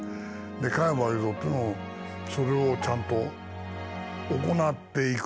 加山雄三っていうのもそれをちゃんと行っていく。